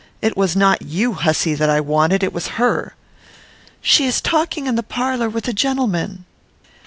It was not you, hussy, that I wanted. It was her." "She is talking in the parlour with a gentleman."